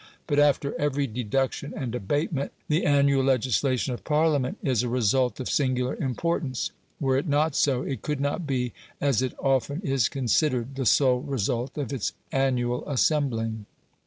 But after every deduction and abatement, the annual legislation of Parliament is a result of singular importance; were it not so, it could not be, as it often is considered, the sole result of its annual assembling.